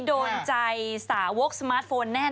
โดนใจสาวกสมาร์ทโฟนแน่น